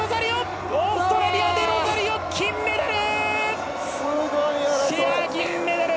オーストラリア、デロザリオ金メダル！